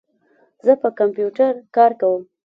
زه په کمپیوټر کار کوم.